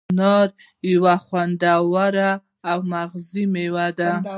انار یو خوندور او مغذي مېوه ده.